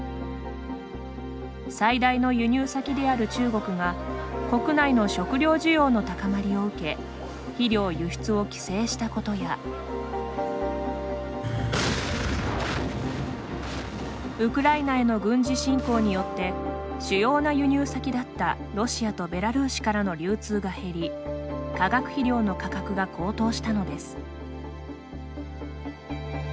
最大の輸入先である中国が国内の食料需要の高まりを受け肥料輸出を規制したことやウクライナへの軍事侵攻によって主要な輸入先だったロシアとベラルーシからの流通が減り化学肥料の価格が高騰したのです。